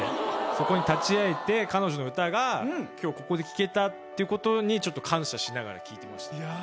そこに立ち会えて彼女の歌が今日ここで聴けたっていう事にちょっと感謝しながら聴いてました。